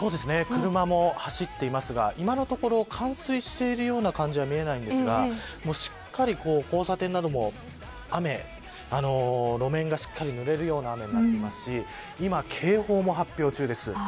車も走っていますが今のところ冠水しているような感じには見えませんがしっかり交差点なども雨路面がしっかりぬれるような雨になっていますし今、警報も発表中です。